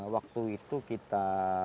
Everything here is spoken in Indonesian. waktu itu kita